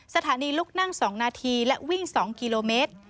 สถานีลุกนั่ง๒นาทีและวิ่ง๒กิโลเมตร